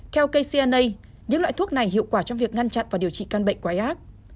theo kcna những loại thuốc này hiệu quả trong việc ngăn chặn và điều trị căn bệnh quái ác